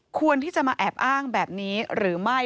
ควรที่จะมาแอบอ้างแบบนี้หรือไม่